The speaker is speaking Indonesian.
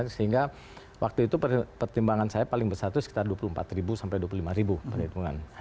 sehingga waktu itu pertimbangan saya paling besar itu sekitar dua puluh empat sampai dua puluh lima perhitungan